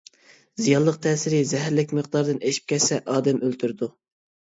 زىيانلىق تەسىرى زەھەرلىك مىقدارىدىن ئېشىپ كەتسە ئادەم ئۆلتۈرىدۇ.